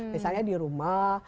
misalnya di rumah